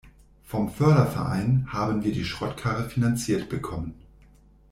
Vom Förderverein haben wir die Schrottkarre finanziert bekommen.